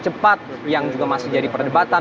cepat yang juga masih jadi perdebatan